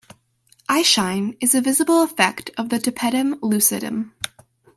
Eyeshine is a visible effect of the tapetum lucidum.